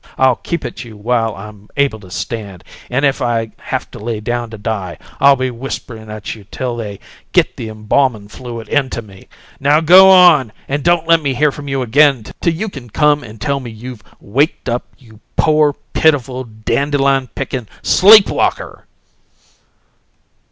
I'll keep at you while I'm able to stand, and if I have to lay down to die I'll be whisperin' at you till they get the embalmin' fluid into me! Now go on, and don't let me hear from you again till you can come and tell me you've waked up, you poor, pitiful, dandelion pickin' SLEEP WALKER!"